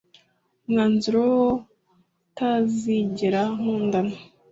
umwanzuro wo kutazigera nkundana